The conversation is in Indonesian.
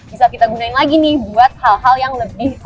bisa kita gunain lagi nih buat hal hal yang lebih